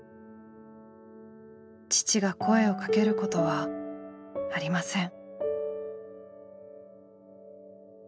父が声をかけることはありません。